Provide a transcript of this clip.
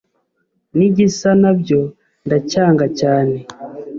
n’igisa nabyo ndacyanga cyane